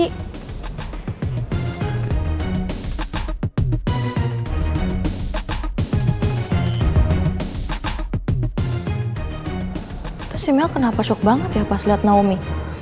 itu si mel kenapa shock banget ya pas liat naomi